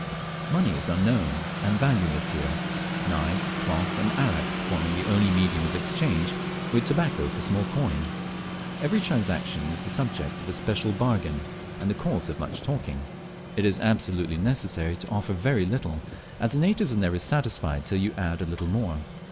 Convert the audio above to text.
Money is unknown and valueless here knives, cloth, and arrack forming the only medium of exchange, with tobacco for small coin. Every transaction is the subject of a special bargain, and the cause of much talking. It is absolutely necessary to offer very little, as the natives are never satisfied till you add a little more.